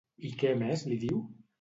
I què més li diu?